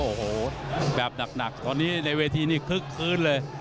โอ้โหแบบหนักตอนนี้ในเวทีนี้คึกคืนเลย